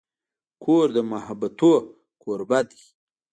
کور د محبتونو کوربه دی.